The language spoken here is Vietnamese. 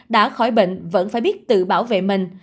đã khỏi bệnh vẫn phải biết tự bảo vệ mình